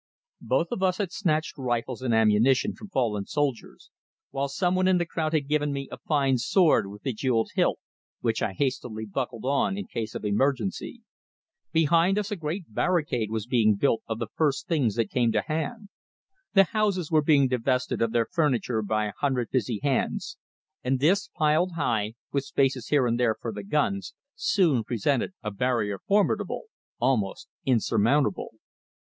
Both of us had snatched rifles and ammunition from fallen soldiers, while someone in the crowd had given me a fine sword with bejewelled hilt, which I hastily buckled on in case of emergency. Behind us a great barricade was being built of the first things that came to hand. The houses were being divested of their furniture by a hundred busy hands, and this, piled high, with spaces here and there for the guns, soon presented a barrier formidable, almost insurmountable.